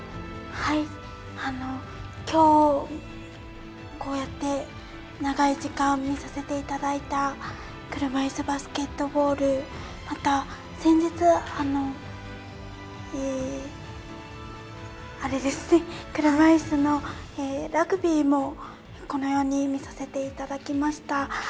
きょう、こうやって長い時間、見させていただいた車いすバスケットボールまた、先日あれですね車いすのラグビーもこのように見させていただきました。